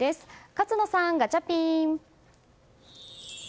勝野さん、ガチャピン！